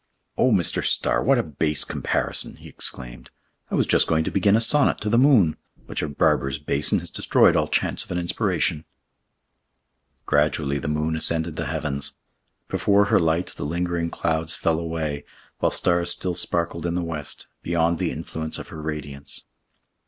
"Oh, Mr. Starr, what a base comparison!" he exclaimed, "I was just going to begin a sonnet to the moon, but your barber's basin has destroyed all chance of an inspiration." Gradually the moon ascended the heavens. Before her light the lingering clouds fled away, while stars still sparkled in the west, beyond the influence of her radiance.